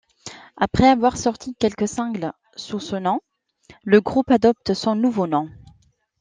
Après avoir sorti quelques singles sous ce nom, le groupe adopte son nouveau nom.